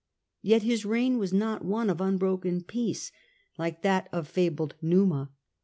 Yet his reign was not one of unbroken peace, like that of fabled Numa.